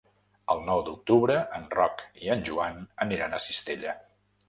El nou d'octubre en Roc i en Joan aniran a Cistella.